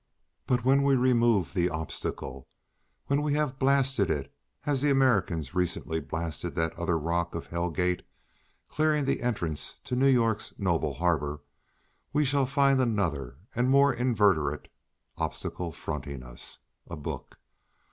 But when we have removed the obstacle, when we have blasted it as the Americans recently blasted that other rock of Hell gate, clearing the entrance to New York's noble harbor, we shall find another and a more inveterate obstacle fronting us—a Book.